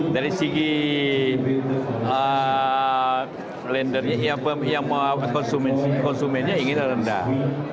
dari segi lendernya konsumennya ingin rendah